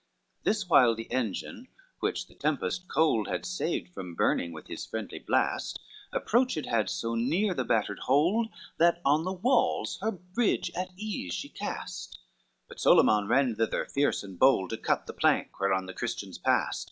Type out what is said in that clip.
XC This while the engine which the tempest cold Had saved from burning with his friendly blast, Approached had so near the battered hold That on the walls her bridge at ease she cast: But Solyman ran thither fierce and bold, To cut the plank whereon the Christians passed.